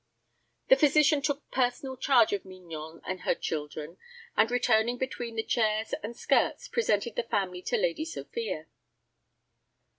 The physician took personal charge of Mignon and her children, and returning between the chairs and skirts, presented the family to Lady Sophia.